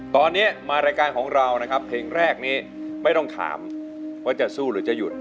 ตอนนี้มารายการของเรานะครับเพลงแรกนี้ไม่ต้องถามว่าจะสู้หรือจะหยุด